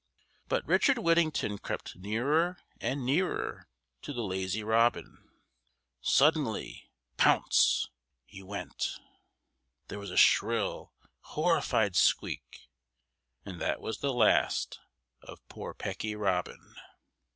But Richard Whittington crept nearer and nearer to the lazy robin. Suddenly—pounce! he went. There was a shrill, horrified squeak, and that was the last of poor Pecky Robin.